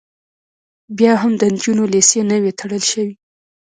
بیا هم د نجونو لیسې نه وې تړل شوې